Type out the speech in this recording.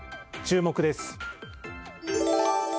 注目です。